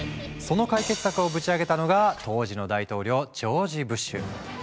その解決策をぶち上げたのが当時の大統領ジョージ・ブッシュ。